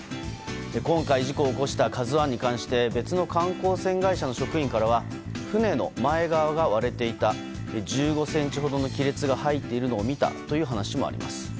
今回事故を起こした「ＫＡＺＵ１」に関して別の観光船会社の職員からは船の前側が割れていた１５ｃｍほどの亀裂が入っているのを見たという話もあります。